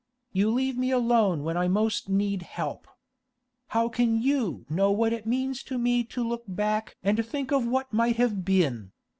You leave me alone when I most need help. How can you know what it means to me to look back and think of what might have been?